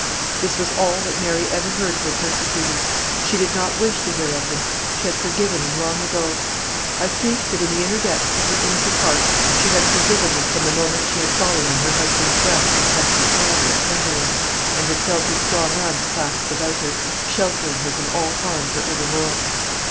This was all that Mary ever heard of her persecutors. She did not wish to hear of them; she had forgiven them long ago. I think that in the inner depths of her innocent heart she had forgiven them from the moment she had fallen on her husband's breast in Hester's parlour at Kemberling, and had felt his strong arms clasped about her, sheltering her from all harm for evermore.